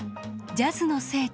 ジャズの聖地